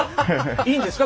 いいんですか？